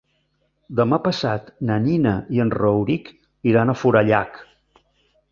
Demà passat na Nina i en Rauric iran a Forallac.